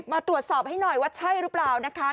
มาตรวจสอบให้หน่อยว่าใช่หรือเปล่านะคะ